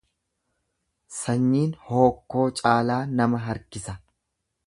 Sanyiin hookkoo caalaa nama harkisa.